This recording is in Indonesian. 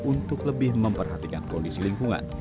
untuk lebih memperhatikan kondisi lingkungan